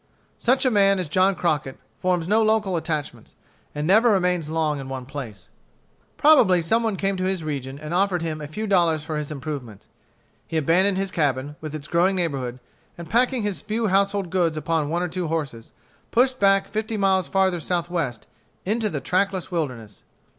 Such a man as John Crockett forms no local attachments, and never remains long in one place. Probably some one came to his region and offered him a few dollars for his improvements. He abandoned his cabin, with its growing neighborhood, and packing his few household goods upon one or two horses, pushed back fifty miles farther southwest, into the trackless wilderness.